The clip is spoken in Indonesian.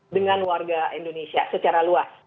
dengan warga indonesia secara luas